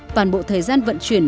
toàn bộ thời gian vận chuyển